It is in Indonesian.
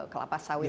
kelapa sawit ini